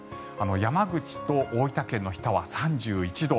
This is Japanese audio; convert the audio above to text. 山口と大分県の日田は３１度。